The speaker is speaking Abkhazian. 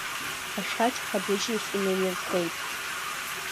Ашәақь Ҳабыџь иахь инеирххеит.